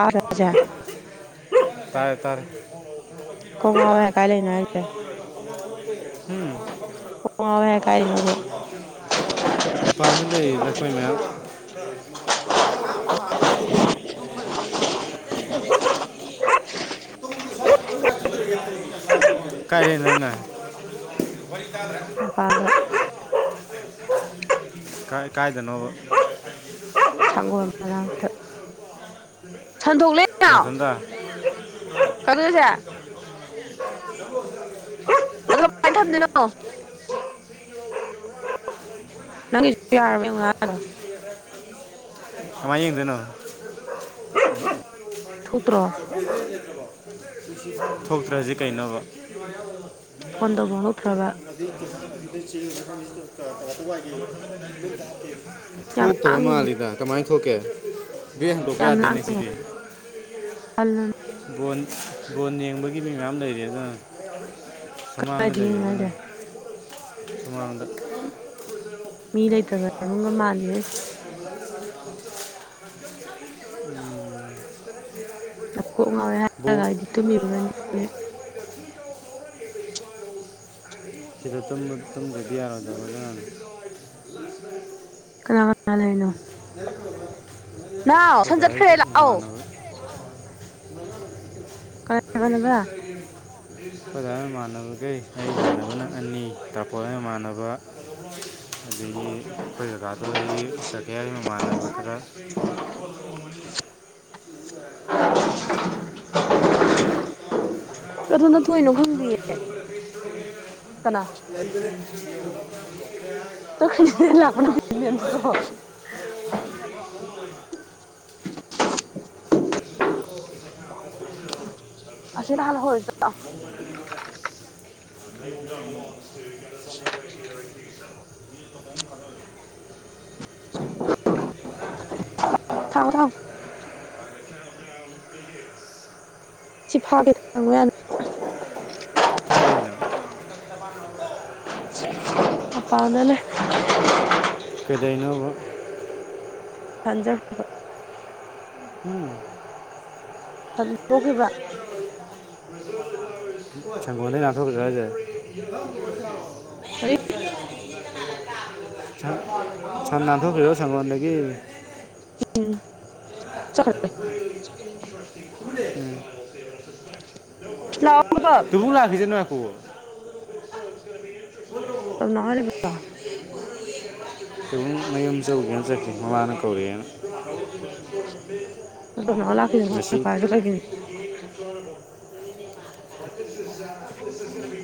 ꯍꯥꯏꯁꯦ ꯇꯔ ꯇꯔ ꯀꯣꯡ ꯉꯥꯎꯋꯦ ꯍꯥꯏ ꯀꯥꯏ ꯂꯩꯅꯣ ꯍꯥꯏꯁꯦ ꯎꯝ ꯀꯣꯡ ꯉꯥꯎꯋꯦ ꯍꯥꯏ ꯀꯥꯏꯗꯅꯣꯕ ꯃꯄꯥꯥꯟꯟꯗꯨ ꯂꯩ ꯂꯈꯣꯏꯃꯦ ꯦ ꯍꯂꯦ ꯀ ꯀꯥꯏ ꯂꯩꯅꯅ ꯍ ꯀ ꯀꯥꯏꯗꯅꯣꯕ ꯁꯪꯒꯣꯜ ꯁꯟꯗꯣꯛ ꯂꯩꯅꯥ ꯅꯊꯟꯗ ꯀꯩꯅꯧꯁꯦ [unintelligible] ꯅꯪ ꯌꯥꯔꯃꯦꯉ ꯑꯃꯥꯏ ꯌꯦꯡꯗꯅꯣ ꯊꯣꯛꯇ꯭ꯔꯣ ꯊꯣꯛꯣꯛꯇ꯭ꯔꯖ ꯀꯩꯅꯣꯧꯕ ꯇꯥꯏꯒ ꯐꯣꯟ ꯇꯧꯕ ꯊꯣꯛꯇ꯭ꯔꯕ ꯌꯥꯝ ꯊꯣꯛꯇꯕ ꯂꯥꯡꯉꯦꯕ ꯃꯥꯜꯂꯤꯗ ꯀꯃꯥꯏꯅ ꯊꯣꯛꯀꯦ ꯍꯟꯗꯣꯛꯀ ꯌꯥꯝ ꯂꯥꯡꯉꯦ ꯑꯗꯦꯝꯅꯁꯤꯗꯤ ꯈꯜꯂꯨꯅꯨ ꯣꯟ ꯌꯦꯡꯕ ꯀꯤ ꯃꯤ ꯃꯌꯥꯝ ꯂꯩꯔꯤ ꯑꯗꯨꯅ ꯁꯨꯃꯥꯡꯗ ꯀꯥꯏꯗ ꯂꯩꯔꯤ ꯌꯦꯡꯉꯣ ꯑꯗꯨꯅ ꯍꯥꯏꯁꯦ ꯁꯨꯃꯥꯡ ꯃꯤ ꯂꯩꯇꯕ ꯃꯨꯒ ꯃꯥꯅꯦ ꯑ ꯀꯣꯛ ꯉꯥꯎꯋꯦ ꯕ ꯍꯥꯏꯔꯒ ꯑꯩꯗꯤ ꯇꯨꯝꯃꯤꯕꯒꯅꯤ ꯁꯤꯔꯨꯝꯨꯝ ꯔꯦꯗꯤꯔꯗꯒ ꯀ ꯎ ꯅꯥꯎ ꯁꯟ ꯆꯠꯈ꯭ꯔꯦ ꯂꯥꯛꯑꯣ ꯄꯗꯥꯏꯒꯅꯅꯕ ꯑꯩ ꯀꯅꯥ ꯏꯃꯥꯟꯅꯕ ꯁꯁꯀꯔꯤ ꯑꯣꯖꯥ ꯏꯃꯅꯕꯈꯩ ꯑꯩ ꯏꯃꯥꯟꯅꯕꯅꯪ ꯑꯅꯤ ꯇꯥꯄꯠ ꯏꯃꯥꯟꯅꯕ ꯑꯗꯒꯤ ꯑꯩꯈꯣꯏ ꯖꯒꯥꯗꯣ ꯑꯩꯗꯒꯤ ꯀꯒꯌꯥꯒꯤ ꯃꯃꯥꯟꯅꯕ ꯈꯔ ꯑꯗꯣꯝꯗ ꯊꯣꯛꯏꯅꯣ ꯈꯪꯗꯤꯌꯦ ꯀꯅꯥ ꯎ [unintelligible] [unintelligible] ꯦ ꯑꯁꯤꯅ [unintelligible] [unintelligible] [unintelligible] ꯍꯨꯝ ꯐꯗ ꯊꯥꯎꯑꯣ ꯊꯥꯎꯥꯎ ꯐꯥꯒꯦ ꯍꯪꯉ ꯌꯥꯅ ꯀꯂꯅ ꯑꯄꯥ ꯑꯗꯨꯅꯅꯦꯦ ꯀꯩꯗꯩꯅꯣꯕ ꯊꯪꯖꯔ ꯎꯝ ꯑꯗꯨ ꯊꯣꯛꯣꯛꯈꯤꯕ꯭ꯔꯥ ꯁꯦꯡꯒꯣꯩ ꯅꯥꯊꯣꯛꯖ ꯍꯥꯏꯖꯦ ꯀꯔꯤ ꯁꯝ ꯅꯥꯊꯣꯛꯈ꯭ꯦꯣ ꯁꯪꯣꯟꯗꯒꯤ ꯎꯝ ꯆꯈ ꯎ ꯂꯥꯛꯑꯣ ꯄ꯭ꯔꯇꯣꯞ ꯑꯗꯨꯕꯨꯡ ꯂꯈꯁꯦ ꯁꯀꯨꯜ ꯇꯅꯍꯔꯦꯕ ꯁꯕꯨꯝ ꯃꯌꯨꯝ ꯆꯧꯒꯦꯅ ꯆꯠꯀ ꯃꯃꯥꯅ ꯀꯧꯔꯦꯅ ꯄ꯭ꯔꯇꯣꯞ ꯅꯥꯎ ꯂꯥꯛꯈꯤꯁꯅꯨ ꯃꯥꯅ ꯃꯁꯤꯁꯤ ꯄꯥꯏꯔꯤꯗꯣ ꯀꯩꯒꯤꯅꯣ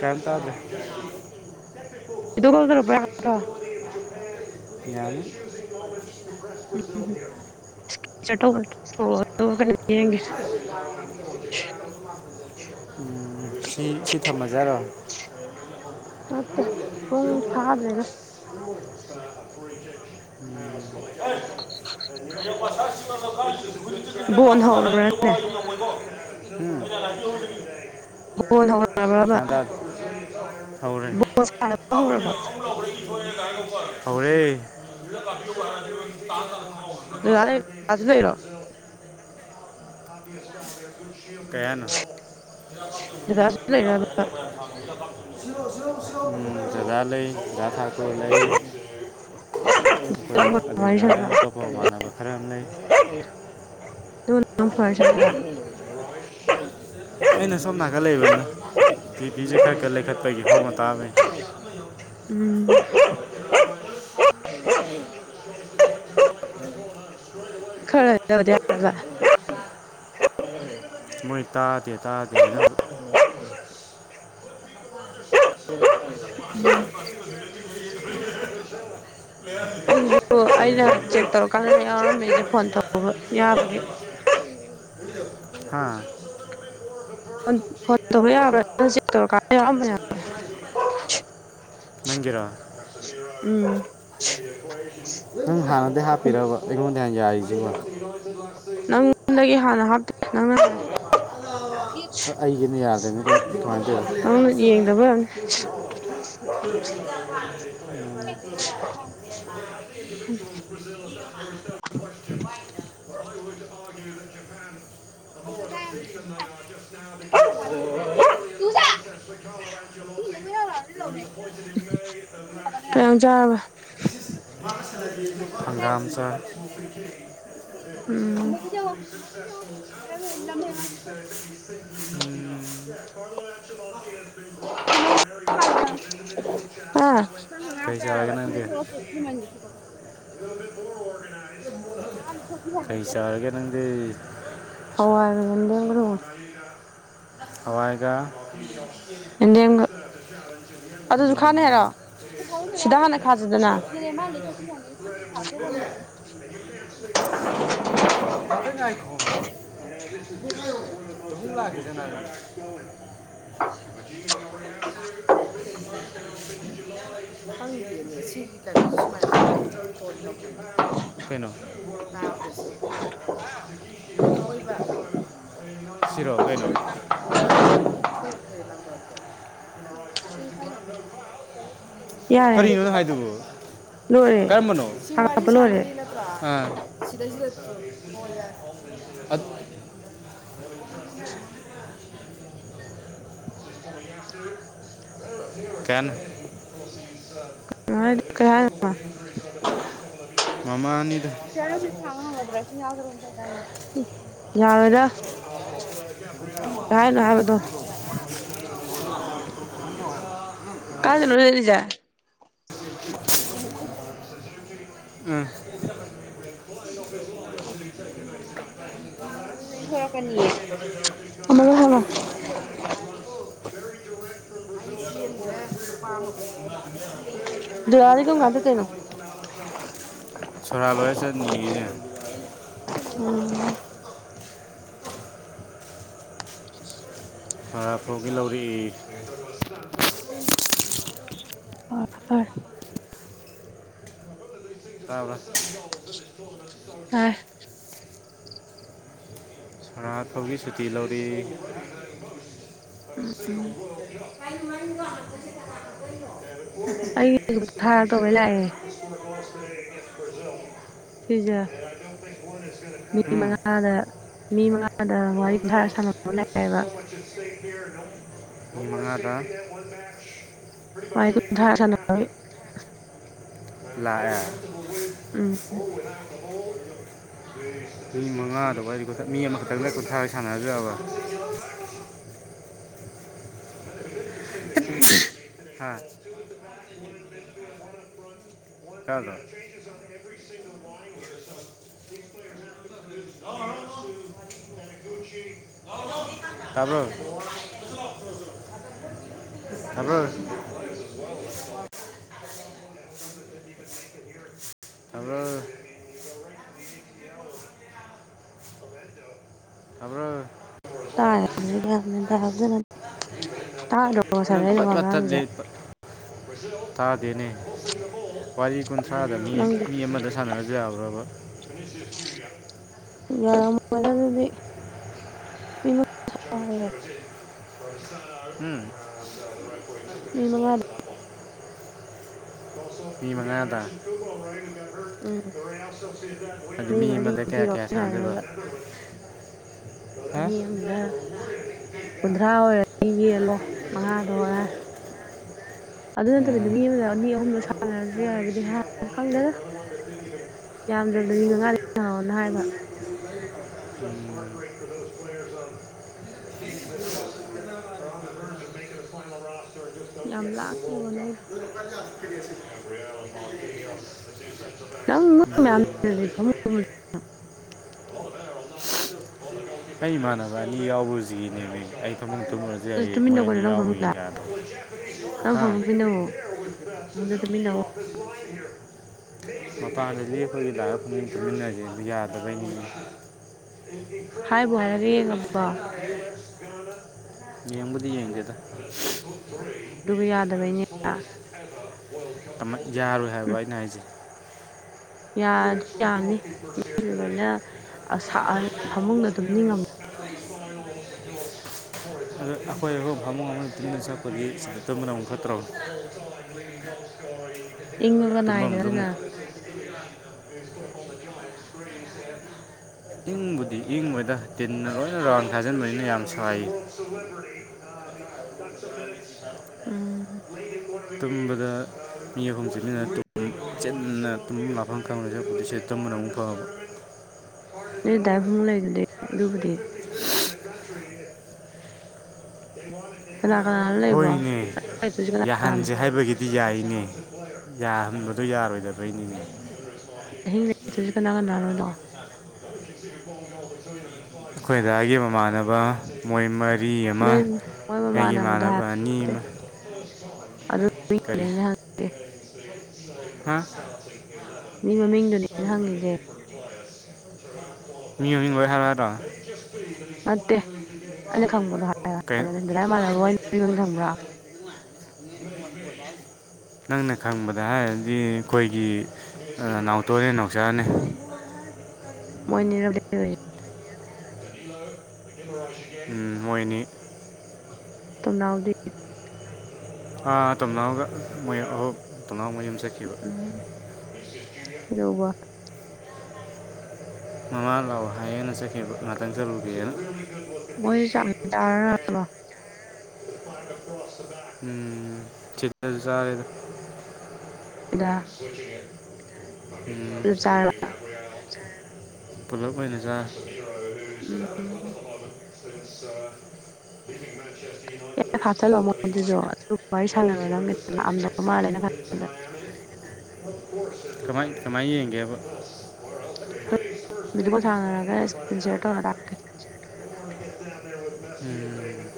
ꯀ ꯇꯗ ꯣꯗꯔꯔ ꯌꯥꯌꯥꯝ ꯎꯝ ꯆ ꯍ ꯎ ꯁꯤ ꯁꯤ ꯊꯝꯃꯖꯥꯔꯣ ꯃ ꯍ ꯍꯥꯏ꯭ꯔꯦꯅ ꯆ [unintelligible] ꯕꯣꯟ ꯍꯧꯔꯕ꯭ꯔꯅꯦ ꯎꯝ ꯕꯣꯟ ꯍꯧꯔꯕ꯭ꯔꯕ ꯆꯥꯗ ꯍꯧꯔꯦ ꯕꯣꯜ ꯁꯥꯟꯅꯕ ꯍꯧꯔꯕꯣ ꯍꯧꯥꯎꯔꯦ ꯇꯥ ꯇ ꯁꯤ ꯂꯩꯔꯣ ꯀꯌꯥꯅ ꯗꯗꯥꯁꯨ ꯂꯩꯔꯕ [unintelligible] ꯖꯒꯥꯥ ꯂꯩꯩ ꯊꯥ ꯀꯧꯕ ꯂꯩ ꯑꯩꯈꯣꯏ ꯋꯥꯔꯤ ꯑꯗꯨꯗ ꯁꯥꯟꯅꯕ ꯑꯇꯣꯞꯄ ꯃꯃꯥꯟꯅꯕ ꯈꯔ ꯑꯃ ꯂꯩ ꯑꯗꯨꯒ ꯅꯪ ꯐꯣꯟ ꯋꯥꯔꯤ ꯁꯥꯟꯅꯕ [unintelligible] ꯑꯩꯅ ꯁꯣꯞꯅꯥ ꯈ ꯂꯩꯕꯅꯤꯅ ꯤ ꯄꯤꯁꯦ ꯈꯔ ꯈꯔ ꯂꯩꯈꯠꯄꯒꯤ ꯍꯧꯅ ꯇꯥꯕꯅꯤ ꯎꯝ ꯈꯔ ꯃꯣꯏ ꯇꯗꯦ ꯇꯗꯤ ꯍꯥꯏꯅ ꯎꯝ [unintelligible] ꯑꯩꯁꯨ ꯑꯩꯅ ꯆꯦꯛ ꯇꯧꯔꯀꯥꯟꯗ ꯌꯥꯎꯔꯝꯃꯦꯗꯤ ꯐꯣꯟ ꯇꯧꯕ ꯌꯥꯕꯒꯤꯦ ꯍꯥꯥ ꯐꯣꯟ ꯐꯣꯟ ꯃ ꯀ ꯌꯥꯝ ꯃ ꯅꯪꯖꯔꯥ ꯎꯝ ꯅꯪ ꯍꯥꯟꯅꯗꯤ ꯍꯥꯞꯄꯤꯔꯕ ꯑꯩꯉꯣꯟꯗ ꯍ ꯌꯥꯔꯤꯁꯤꯕ ꯅꯃ ꯑꯗ ꯑꯩꯒꯤꯅ ꯌꯥꯗꯣꯏꯦꯅꯤ ꯀꯃꯥꯏꯅ ꯅꯪꯅ ꯌꯦꯡꯗꯕ ꯇꯧꯅꯣ ꯍ [unintelligible] ꯒꯦ [unintelligible] ꯑꯣꯏꯔꯝꯅꯤ ꯀꯩ ꯆꯥꯔꯕ [unintelligible] ꯍꯪꯒꯥꯝꯆ ꯎꯝ [unintelligible] ꯍꯥ [unintelligible] ꯀꯩ ꯆꯥꯂꯒꯅꯦ ꯏꯗ ꯊ ꯊ ꯑꯗꯨꯕꯨꯣ ꯆꯥꯔꯒꯦ ꯅꯪꯗꯤ ꯍꯔ ꯌꯦꯗꯒ꯭ꯔꯣ ꯍꯋꯥꯏꯒꯥ ꯌꯦꯟꯗꯦꯝꯒ ꯑꯗꯨꯁꯨ ꯈꯥꯅꯤ ꯍꯥꯏꯔꯣ [inaudible] ꯃꯥ ꯆꯁꯤ ꯌꯥꯅꯤ ꯁꯤ ꯍꯥ ꯆꯂꯅꯦ [inaudible] ꯂꯥꯛꯒꯦꯁꯅꯥꯒ [inaudible] ꯍꯪꯉꯤꯦꯅꯦ ꯁꯤꯒꯤ ꯀꯩꯅꯣꯁ ꯁꯨꯃꯥꯏꯅ ꯀꯩꯅꯣ ꯁꯤꯔꯣ ꯀꯩꯅꯣ ꯎ ꯐꯂꯝ ꯁꯤ ꯐ ꯌꯥꯔꯦ ꯀꯔꯤꯅꯣ ꯅꯪ ꯍꯥꯏꯗꯨꯕꯨ ꯀꯔꯝꯕꯅꯣ ꯂꯣꯏꯔꯦꯄ ꯂꯣꯏꯔꯦ ꯁꯤ ꯑꯗꯨ ꯀꯦꯟ ꯑ ꯀ ꯃꯃꯥꯅꯤꯗ ꯆꯔ ꯁꯥꯡꯅ ꯃꯗ꯭ꯔ ꯑꯁꯤ ꯌꯥꯗ꯭ꯔꯇ ꯇ [inaudible] ꯀꯥꯏꯅ ꯍꯥꯏꯕꯗ ꯃꯥ ꯆꯠꯇꯅꯦ ꯌꯦꯒ ꯂꯩ ꯀꯁꯂ ꯎꯝ [inaudible] [inaudible] ꯑ ꯑꯃꯒ ꯍꯪꯉꯣ ꯄ ꯗꯔꯥꯅꯤ ꯀ ꯀꯥꯟꯗ ꯇꯅꯣ ꯁꯣꯔꯥ ꯂꯣꯏꯔꯁꯨ ꯅꯤꯅꯦ ꯎꯝ ꯍꯥꯄꯒꯤꯂꯧꯔꯤ ꯑꯔ ꯇꯥꯕ꯭ꯔ ꯑꯥ ꯁꯅꯥ ꯐꯥꯎꯒꯤ ꯁꯨꯇꯤ ꯂꯧꯔꯤ ꯔꯁꯦꯧꯕ ꯀ ꯑꯩꯒꯤ ꯑꯗꯨꯝ ꯊꯥꯔ ꯇꯧꯕꯩ ꯂꯥꯛꯑꯦ ꯁꯤꯖ ꯃꯤ ꯎꯝ ꯃꯉꯥꯗ ꯃꯤ ꯃꯉꯥꯗ ꯋꯥꯔꯤ ꯀꯨꯟꯊꯥꯔꯒ ꯁꯥꯟꯅꯕ ꯂꯩꯦꯕ ꯃꯍꯗ ꯋꯥꯔꯤ ꯀꯨꯟꯊ꯭ꯔꯥ ꯁꯥꯟꯅꯕꯒꯤ ꯂ ꯎꯝ ꯑꯣ ꯃꯤ ꯃꯉꯥꯗꯨꯗꯤ ꯃꯤ ꯑꯃꯈꯛꯇꯪꯗ ꯀꯨꯟꯊ꯭ꯔꯥꯒ ꯁꯥꯟꯅꯖ꯭ꯔꯕ [inaudible] ꯍꯥꯥ ꯀꯥꯗ [inaudible] ꯀꯕꯣ ꯍꯂ꯭ꯔꯣ ꯑꯣ ꯍ꯭ꯔꯣ ꯇꯥꯔꯒ ꯃ ꯍꯥꯞꯖꯅ ꯇꯥꯛ ꯑꯗꯣ ꯁꯥꯟꯅꯩꯗꯨ ꯑꯉꯥꯡꯒꯤꯖꯠ ꯊꯥꯗꯅꯦ ꯄ ꯃꯇꯨꯡꯏꯟꯅ ꯀꯨꯟꯊ꯭ꯔꯥꯗ ꯃꯤ ꯅꯪꯗꯤ ꯃꯤ ꯑꯃꯗ ꯁꯥꯟꯅꯔꯁꯨ ꯌꯥꯕ꯭ꯔꯕ ꯌꯥꯔꯝꯒꯗ ꯑꯗꯨꯗꯤ ꯃꯤꯔ ꯌꯥꯏ ꯎꯝ ꯃꯤ ꯃꯉꯅ ꯃꯤ ꯃꯉꯥꯗ ꯎꯝ ꯑ ꯃꯤ ꯃꯔꯤ ꯃꯗꯨ ꯀꯌꯥ ꯄꯤꯔꯣ ꯀꯌꯥ ꯁꯗꯕ ꯁꯥꯟꯅꯅꯕ ꯃꯤ ꯑꯃꯗ ꯀꯨꯟꯊ꯭ꯔꯥ ꯑꯣꯏꯔꯅꯤ ꯌꯦꯂꯣ ꯃꯉꯥꯗꯣ ꯍꯔ ꯑꯗꯨ ꯅꯠꯇꯕꯤꯗ ꯎꯝ. ꯃꯤ ꯑꯃꯗ ꯑꯅꯤ ꯑꯍꯨꯝꯂꯣ ꯁꯥꯟꯅꯔꯁꯤ ꯍꯥꯏꯕꯗꯤ ꯈꯪꯗꯦꯅ ꯌꯥꯝꯗ꯭ꯔꯕꯗ ꯃꯤ ꯃꯉꯥꯗ ꯁꯪꯑꯣꯅ ꯍꯥꯏꯕ [inaudible] ꯭ꯔꯦꯔ ꯐꯣꯟ ꯌꯥꯝ ꯂꯥꯡꯉꯦꯕ ꯅꯣꯏꯗꯣ ꯑꯣꯏ꯭ꯔꯣ [inaudible] [inaudible] ꯅꯪ ꯅꯣꯏ ꯃꯌꯥꯝ ꯂꯩꯔꯗꯤ ꯐꯃꯨꯡ ꯑꯩ ꯏꯃꯥꯟꯅꯕ ꯑꯅꯤ ꯌꯥꯎꯕꯁꯤꯒꯤꯅꯦꯕ ꯑꯩ ꯊꯃ ꯑꯗꯨꯨꯝꯃꯨꯔꯁꯦ ꯑꯩꯌꯦ ꯇꯨꯃꯤꯟꯅꯧ ꯃꯣꯏ ꯑꯅꯤ ꯀꯩꯅꯣ ꯅꯪ ꯌꯥꯎꯕꯒꯤ ꯐꯃꯨꯡꯗ ꯌꯥꯗ ꯅꯪ ꯍꯥ ꯐꯃꯨꯡ ꯇꯨꯃꯤꯟꯅꯧꯋꯣ ꯐꯃꯨꯡꯗ ꯇꯨꯃꯤꯟꯅꯧꯋꯣ [inaudible] ꯃꯄꯥꯟꯗꯗꯤ ꯑꯩꯈꯣꯏꯒꯤ ꯂꯥꯏꯕ ꯈꯨꯃꯡ ꯇꯨꯃꯤꯟꯅꯁꯕ ꯌꯥꯗꯕꯩꯅꯤ ꯍꯥꯏꯕꯨ ꯍꯥꯏꯔꯒ ꯌꯦꯡꯉꯕꯣ ꯏ ꯌꯦꯦꯝꯕꯗꯤ ꯌꯦꯡꯒꯦꯗ ꯑꯗꯨꯒ ꯌꯥꯗꯕꯩꯅꯦ ꯌꯥꯔꯣꯏ ꯍꯥꯏꯕ ꯎꯝ ꯑꯩꯅ ꯍꯥꯏꯖꯩ ꯭ꯔꯦ ꯌꯥꯗꯤ ꯐ ꯑꯗ ꯌꯥꯅꯤ ꯁꯤꯁꯨ ꯂꯣꯏꯅ ꯑꯁꯥ ꯐꯃꯨꯡꯗ ꯇꯨꯝꯅꯤꯡꯉꯝ ꯑꯩꯈꯣꯏ ꯑꯈꯣꯏ ꯐꯃꯨꯡ ꯑꯃ ꯇꯤꯟꯅ ꯆꯛꯄꯗꯤ ꯇꯕꯅ ꯑꯃ ꯈꯠꯇ꯭ꯔꯕ [inaudible] ꯏꯉꯅꯥꯏꯅꯔꯅ ꯜ ꯃ ꯍꯥꯏ ꯁ꯭ꯀꯨꯜꯁꯦ ꯏꯪꯕꯨꯗꯤ ꯏꯪꯕꯗ ꯇꯤꯟꯅ ꯂꯣꯏꯅ ꯔꯥꯎꯟ ꯊꯥꯖꯤꯟꯕꯅꯤꯅ ꯌꯥꯝ ꯁꯥꯏ [inaudible] ꯑ ꯇꯨꯝꯕꯗ ꯃꯤ ꯑꯐꯝ ꯆꯠꯅꯤꯅ ꯆꯦꯠꯟꯅ ꯇꯨꯃꯤꯟ ꯃꯥꯐꯝ ꯈꯪꯕ ꯆꯦꯄꯗꯤꯁꯦ ꯇꯝꯕꯅ ꯑꯃꯨꯛ ꯐꯪꯉꯕ ꯅꯣꯏ ꯗꯥꯏ ꯐꯃꯨꯡ ꯂꯩꯗꯨꯗꯤ ꯑꯗꯨꯕꯨꯗꯤ ꯀꯅꯥ ꯀꯅꯥꯅꯣ [inaudible] ꯗ ꯂꯩꯕꯣ ꯍꯅꯦ ꯂꯩꯗꯣꯏꯁꯤ ꯀꯅꯥ ꯌꯥꯍꯟ ꯀꯅꯥꯅꯣ ꯍꯥꯏꯕꯒꯤꯗꯤ ꯌꯥꯔꯤꯅꯦ ꯌꯥꯍꯟꯕꯗꯣ ꯌꯥꯔꯣꯏꯗꯕꯩꯅꯤꯅꯦ ꯑꯍꯤꯡ ꯂꯩꯛꯇꯁꯨ ꯀꯅꯥ ꯀꯅꯥꯅꯣꯗꯣ ꯑꯩꯈꯣꯏꯗꯥ ꯑꯩꯒꯤ ꯃꯃꯥꯟꯅꯕ ꯃꯣꯏꯃꯩ ꯋꯥꯔꯤꯔꯤ ꯑꯃ ꯅꯣꯏ ꯃꯣꯏ ꯑꯩꯒꯤ ꯃꯃꯥꯟꯅꯕꯗꯣ ꯏꯃꯥꯟꯅꯕ ꯑꯅꯤ ꯍꯥꯏꯕꯠꯇꯦ ꯑꯃ ꯑꯗꯨ ꯃꯤꯡꯗꯨꯅꯦ ꯀꯔꯤ ꯑꯩꯅ ꯍꯪꯉꯤꯁꯦ ꯍꯥꯥ ꯃꯤ ꯃꯃꯤꯡꯗꯨꯅꯦꯅ ꯍꯪꯉꯤꯁꯦ ꯌꯨ ꯣꯏ ꯍꯔꯕꯣ ꯅꯠꯇꯦ ꯑꯩꯅ ꯈꯪꯕꯗꯣ ꯀꯩ ꯍꯥꯏꯗꯥꯥꯏ ꯃꯥꯟꯅꯕ ꯄꯔꯣ ꯈꯪꯕ꯭ꯔꯥ ꯅꯪꯅ ꯈꯪꯕꯗ ꯍꯥꯏ ꯍꯥꯏꯗꯤ ꯑꯩꯈꯣꯏꯒꯤ ꯅꯥꯎꯇꯣꯅꯦ ꯅꯥꯎꯆꯥꯅꯦ ꯃꯣꯏꯅꯤꯔ ꯃꯣꯏꯅꯤ ꯎꯅꯥꯎꯗꯤ ꯑ ꯇꯒ ꯎꯝꯎꯕ ꯃꯃꯥ ꯂꯥꯎ ꯍꯥꯏꯌꯦꯅ ꯆꯠꯈꯤꯕ ꯉꯥꯛꯇꯪ ꯆꯠꯂꯨꯈꯤꯒꯅ ꯃꯣꯏꯁꯨ ꯆꯥꯛ ꯆꯥꯔꯔꯕꯣ ꯎꯝ ꯆꯤ ꯆꯔꯦꯗ ꯑꯦꯗꯥ ꯎ ꯄꯨꯂꯞ ꯑꯣꯏꯅꯖꯥ ꯎꯝ ꯐ ꯃꯤꯇ ꯃꯛ ꯏ ꯐꯦ ꯂ ꯃ ꯑꯗꯨꯖ ꯗꯤ ꯁ ꯈꯟꯕꯗ ꯀꯃꯥꯏ ꯀꯃꯥꯏꯌꯦꯒꯦꯕ ꯚꯤꯗꯤꯑꯣ ꯀꯣꯜ ꯁꯥꯟꯅꯔꯒ ꯏꯁꯀ꯭ꯔꯤꯟ ꯁꯤꯌꯔ ꯇꯧꯔ ꯇꯥꯛꯀꯦ ꯏꯁꯄꯦ ꯎꯝ